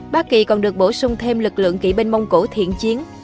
bác kỳ còn được bổ sung thêm lực lượng kỵ binh mông cổ thiện chiến